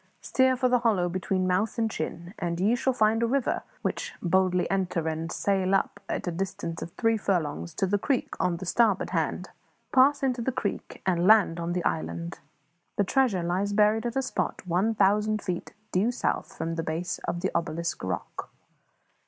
Steer for the hollow between mouth and chin, and ye shall find a river, which boldly enter, and sail up it a distance of three furlongs to the creek on starboard hand; pass into the creek and land on the island. The treasure lies buried at a spot one thousand feet due south from the base of the obelisk rock."